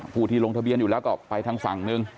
ผู้ที่ลงทะเบียนอยู่แล้วก็ไปทางฝั่งหนึ่ง